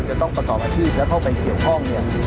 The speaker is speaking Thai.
จะต้องประกอบอาชีพและเข้าไปเกี่ยวข้องเนี่ย